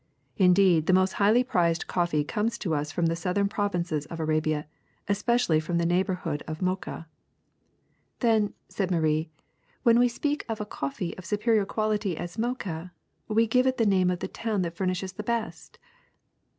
Indeed, the most highly prized coffee comes to us from the southern provinces of Arabia, especially from the neighborhood of Mocha. '^ *'Then,'^ said Marie, ^^when we speak of a coffee of superior quality as Mocha, we give it the name of the town that furnishes the best.''